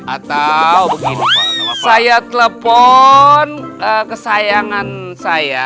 atau begini pak saya telepon kesayangan saya